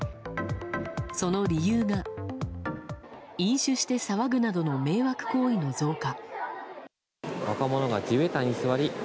その理由が、飲酒して騒ぐなどの迷惑行為の増加。